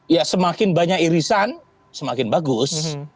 ya semakin banyak irisan semakin bagus